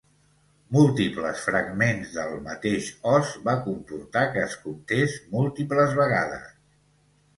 Múltiples fragments del mateix os va comportar que es comptés múltiples vegades.